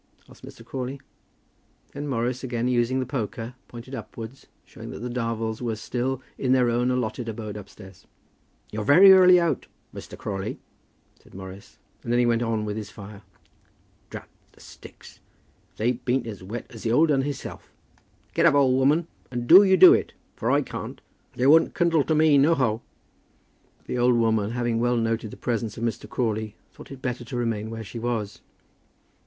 asked Mr. Crawley. Then Morris, again using the poker, pointed upwards, showing that the Darvels were still in their own allotted abode upstairs. "You're early out, Muster Crawley," said Morris, and then he went on with his fire. "Drat the sticks, if they bean't as wet as the old 'un hisself. Get up, old woman, and do you do it, for I can't. They wun't kindle for me, nohow." But the old woman, having well noted the presence of Mr. Crawley, thought it better to remain where she was.